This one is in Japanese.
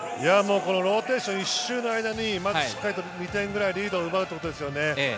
ローテーション、一瞬の間にまずしっかりと２点目、リードを奪うことですね。